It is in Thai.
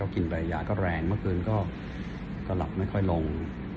กินไปยาก็แรงเมื่อคืนก็หลับไม่ค่อยลง